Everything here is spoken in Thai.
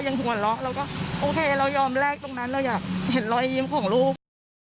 หัวเราะเราก็โอเคเรายอมแลกตรงนั้นเราอยากเห็นรอยยิ้มของลูก